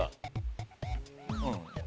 うん。